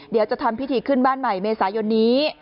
เดี๋ยวจะทำพิธีขึ้นบ้านใหม่เมษายนนี้